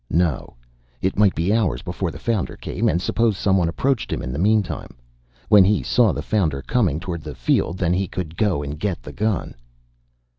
No. It might be hours before the Founder came, and suppose someone approached him in the meantime? When he saw the Founder coming toward the field, then he could go and get the gun.